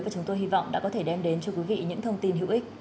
và chúng tôi hy vọng đã có thể đem đến cho quý vị những thông tin hữu ích